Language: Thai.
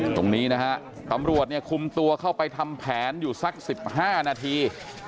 ตรงนี้นะฮะตำรวจเนี่ยคุมตัวเข้าไปทำแผนอยู่สัก๑๕นาที